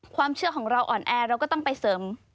ความเชื่อของเราอ่อนแอเราก็ต้องไปเสริม